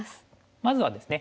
まずはですね